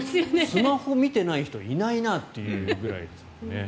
スマホ見てない人いないなというくらい。